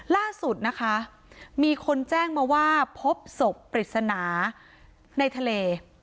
ล่าสุดนะคะมีคนแจ้งมาว่าพบศพปริศนาในทะเล